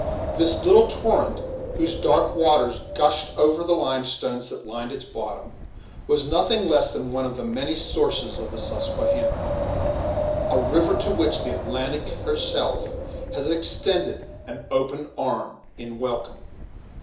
This little torrent, whose dark waters gushed over the limestones that lined its bottom, was nothing less than one of the many sources of the Susquehanna; a river to which the Atlantic herself has extended an arm in welcome.